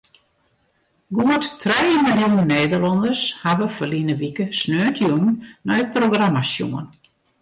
Goed trije miljoen Nederlanners hawwe ferline wike sneontejûn nei it programma sjoen.